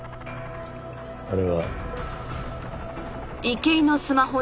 あれは。